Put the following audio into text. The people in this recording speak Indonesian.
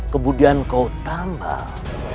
kemudian kau tambah